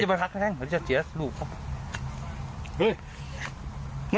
มันข้างั่วเนอะ